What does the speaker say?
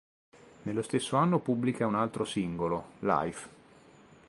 Nello stesso anno pubblica un altro singolo, "Life".